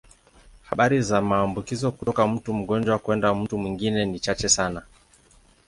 Habari za maambukizo kutoka mtu mgonjwa kwenda mtu mwingine ni chache sana.